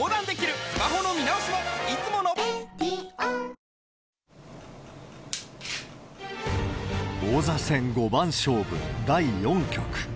皆さん、卵、王座戦五番勝負第４局。